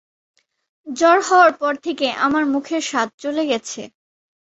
জ্বর হওয়ার পর থেকে আমার মুখের স্বাদ চলে গেছে।